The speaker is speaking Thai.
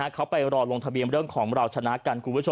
เขาไปรอลงทะเบียนเรื่องของเราชนะกันคุณผู้ชม